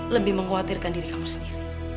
lebih mengkhawatirkan diri kamu sendiri